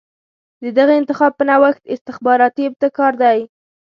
د دغه انتخاب په نوښت استخباراتي ابتکار دی.